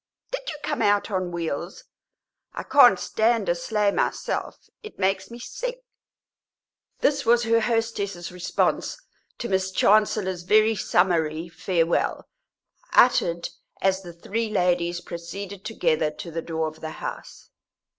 Did you come out on wheels? I can't stand a sleigh myself; it makes me sick." This was her hostess's response to Miss Chancellor's very summary farewell, uttered as the three ladies proceeded together to the door of the house.